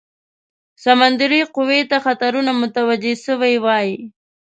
سمندري قوې ته خطرونه متوجه سوي وای.